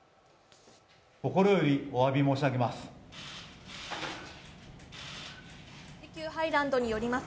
心よりおわびび申し上げます。